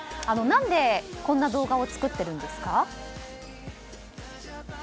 何でこんな動画を作ってるんですか？